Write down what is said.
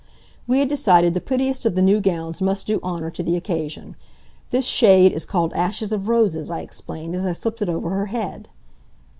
We had decided the prettiest of the new gowns must do honor to the occasion. "This shade is called ashes of roses," I explained, as I slipped it over her head.